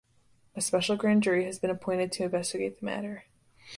A special grand jury has been appointed to investigate the matter.